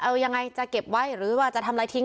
เอายังไงจะเก็บไว้หรือว่าจะทำอะไรทิ้ง